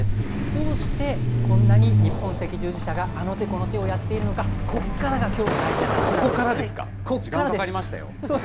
どうしてこんなに日本赤十字社があの手この手をやっているのか、ここからがきょうの大事な話なんここからですか。